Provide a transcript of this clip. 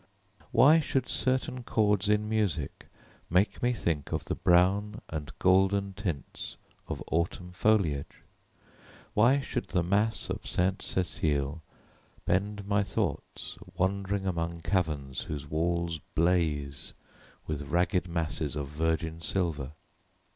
Why should certain chords in music make me think of the brown and golden tints of autumn foliage? Why should the Mass of Sainte Cécile bend my thoughts wandering among caverns whose walls blaze with ragged masses of virgin silver?